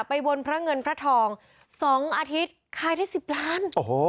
วนพระเงินพระทอง๒อาทิตย์ขายได้๑๐ล้านโอ้โห